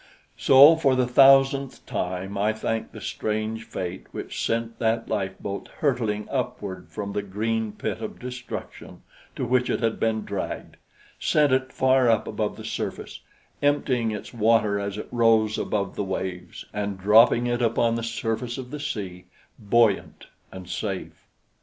So for the thousandth time I thank the strange fate which sent that lifeboat hurtling upward from the green pit of destruction to which it had been dragged sent it far up above the surface, emptying its water as it rose above the waves, and dropping it upon the surface of the sea, buoyant and safe.